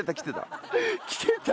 「来てた」。